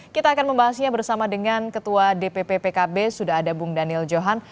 kita akan membahasnya bersama dengan ketua dpp pkb sudah ada bung daniel johan